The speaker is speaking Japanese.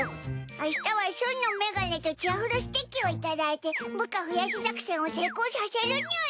明日はすうのメガネとチアふるステッキをいただいて部下増やし作戦を成功させるにゅい。